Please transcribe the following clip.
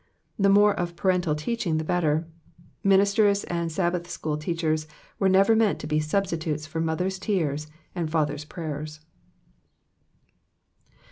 The more of parental teaching the better ; ministers and Sabbath school teachers were never meant to be substitutes for mothers' tears and fathers' prayers.